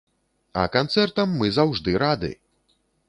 А канцэртам мы заўжды рады!